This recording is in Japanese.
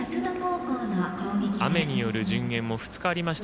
雨による順延も２日ありました